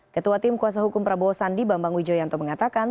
ketua tim kuasa hukum prabowo sandi bambang wijoyanto mengatakan